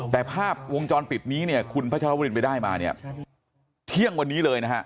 แต่ภาพวงจรปิดนี้เนี่ยคุณพัชรวรินไปได้มาเนี่ยเที่ยงวันนี้เลยนะฮะ